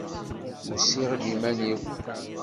Usiɣ-d iman-iw.